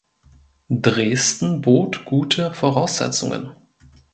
Dresden bot gute Voraussetzungen.